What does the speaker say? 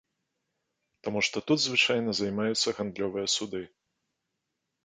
Таму што тут звычайна займаюцца гандлёвыя суды.